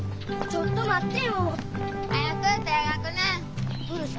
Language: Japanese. ちょっと待って。